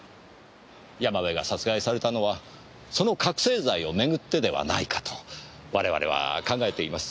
山部が殺害されたのはその覚せい剤を巡ってではないかと我々は考えています。